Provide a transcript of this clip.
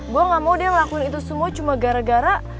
gue gak mau dia ngelakuin itu semua cuma gara gara